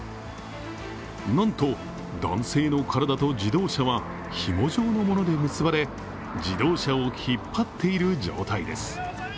なんと、男性の体と自動車はひも状のもので結ばれ自動車を引っ張っている状態です。